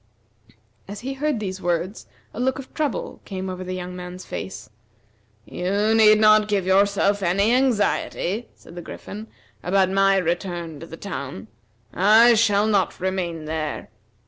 As he heard these words, a look of trouble came over the young man's face. "You need not give yourself any anxiety," said the Griffin, "about my return to the town. I shall not remain there.